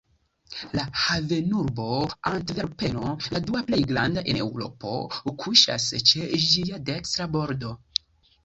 La havenurbo Antverpeno, la dua plej granda en Eŭropo, kuŝas ĉe ĝia dekstra bordo.